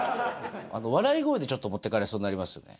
笑い声でちょっと持っていかれそうになりますよね。